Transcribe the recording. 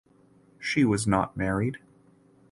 She was not married.